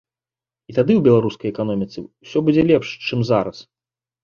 І тады ў беларускай эканоміцы ўсё будзе лепш, чым зараз.